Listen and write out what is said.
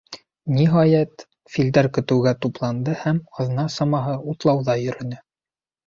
Ниһайәт, филдәр көтөүгә тупланды һәм аҙна самаһы утлауҙа йөрөнө.